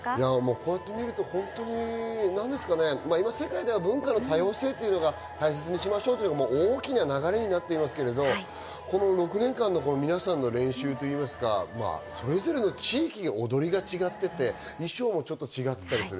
こうやってみると本当に、なんですかね、世界では文化の多様性というのを大切にしましょうという大きな流れになっていますけど、この６年間の皆さんの練習といいますか、それぞれの地域で踊りが違っていて、衣装もちょっと違ってたりする。